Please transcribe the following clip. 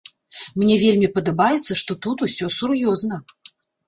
Мне вельмі падабаецца, што тут усё сур'ёзна.